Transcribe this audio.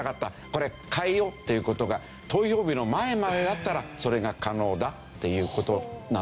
「これ変えよう」という事が投票日の前までだったらそれが可能だっていう事なんですよね。